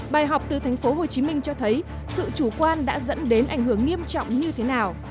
bài học từ thành phố hồ chí minh cho thấy sự chủ quan đã dẫn đến ảnh hưởng nghiêm trọng như thế nào